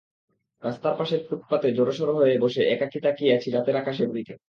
রাস্তার পাশের ফুটপাতে জড়সড় হয়ে বসে একাকী তাকিয়ে আছি রাতের আকাশের দিকে।